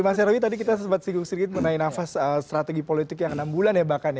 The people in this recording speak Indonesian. mas nyarwi tadi kita sempat singgung sedikit mengenai nafas strategi politik yang enam bulan ya bahkan ya